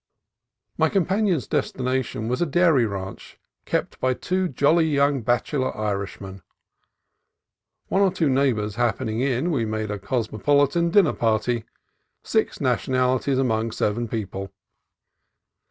My companion's destination was a dairy ranch kept by two jolly young bachelor Irishmen. One or two neighbors happening in, we made a cosmopolitan dinner party, six nationalities among seven people.